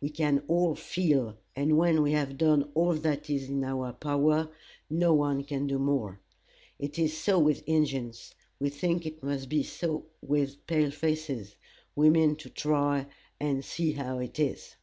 We can all feel, and when we have done all that is in our power, no one can do more. It is so with Injins; we think it must be so with pale faces. We mean to try and see how it is."